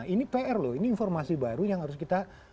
ini pr loh ini informasi baru yang harus kita